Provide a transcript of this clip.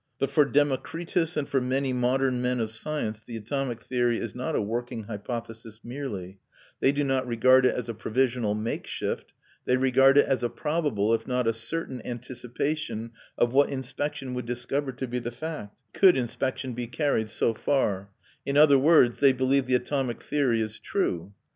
But for Democritus and for many modern men of science the atomic theory is not a working hypothesis merely; they do not regard it as a provisional makeshift; they regard it as a probable, if not a certain, anticipation of what inspection would discover to be the fact, could inspection be carried so far; in other words, they believe the atomic theory is true.